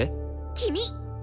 君！